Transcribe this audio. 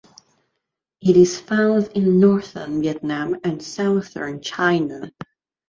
It is found in northern Vietnam and southern China.